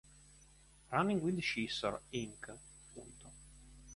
Running with Scissors, Inc.